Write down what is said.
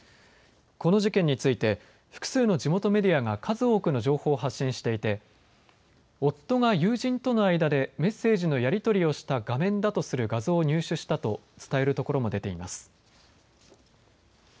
この事件について複数の地元メディアが数多くの情報を発信していて夫が友人との間でメッセージのやり取りをした画面だとする画像を入手したと伝えるところも出ています。